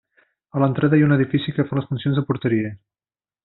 A l'entrada hi ha un edifici que fa les funcions de porteria.